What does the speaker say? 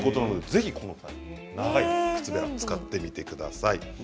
ぜひ長い靴べらを使ってみてください。